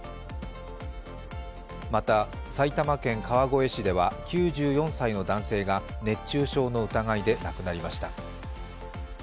また埼玉県川越市では９４歳の男性が熱中症の疑いで亡くなりました。